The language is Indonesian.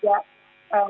di luar kantor